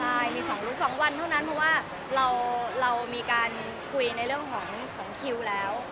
ใช่มีสองลุ๊กสองวันเท่านั้นเพราะว่าเราเรามีการคุยในเรื่องของของคิวแล้ว